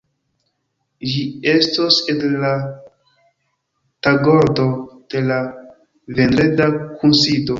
Ĝi estos en la tagordo de la vendreda kunsido.